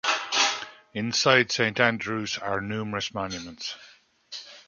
Inside Saint Andrew's are numerous monuments.